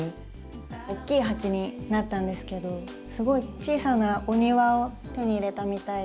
大きい鉢になったんですけどすごい小さなお庭を手に入れたみたいで。